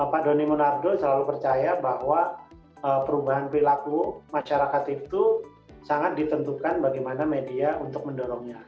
pak doni monardo selalu percaya bahwa perubahan perilaku masyarakat itu sangat ditentukan bagaimana media untuk mendorongnya